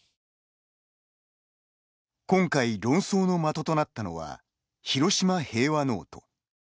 今回、論争の的となったのは「ひろしま平和ノート」。